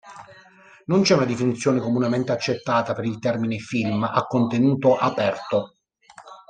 Non c'è una definizione comunemente accetta per il termine Film a contenuto aperto.